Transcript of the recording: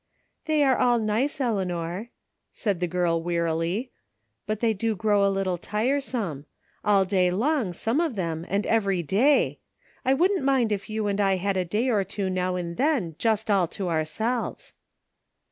" They are all nice, Eleanor," said the girl wearily, " but they do grow a little tiresome; all day long some of them, and every day. I wouldn't mind if you and I had a day or two now and then just all to ourselves."